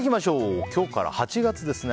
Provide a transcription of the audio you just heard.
今日から８月ですね。